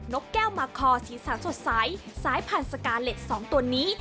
นกแก้วมาคอสีสันสดใสสายผ่านสกาเล็ดสองตัวนี้